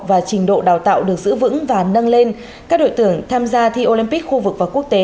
và trình độ đào tạo được giữ vững và nâng lên các đội tưởng tham gia thi khu vực và quốc tế